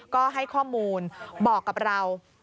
ก็ให้ข้อมูลบอกกับเรา